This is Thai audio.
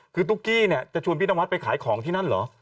คือตุ๊กกี้จะชวนพี่น้ำวัดไปขายของที่นั่นหรอ